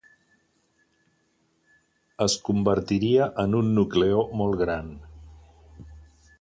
Es convertiria en un nucleó molt gran.